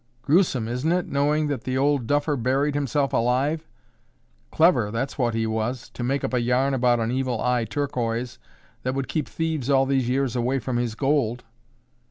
Gruesome, isn't it, knowing that the old duffer buried himself alive? Clever, that's what he was, to make up a yarn about an Evil Eye Turquoise that would keep thieves all these years away from his gold."